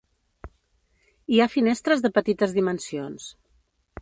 Hi ha finestres de petites dimensions.